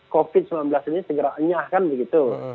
covid sembilan belas ini segera enyahkan begitu